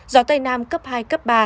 gió tây nam cấp hai cấp ba